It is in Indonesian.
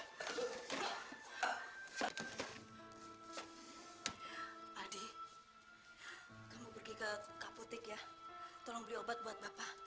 tolong beli obat buat bapak